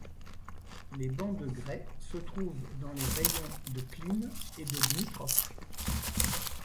Les bancs de grès se trouvent dans les raïons de Kline et de Dmitrov.